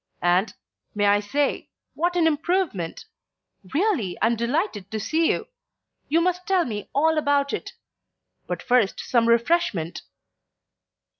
And may I say what an improvement. Really, I'm delighted to see you. You must tell me all about it. But first some refreshment."